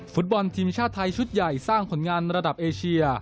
ฟุตบอลทีมชาติไทยชุดใหญ่สร้างผลงานระดับเอเชีย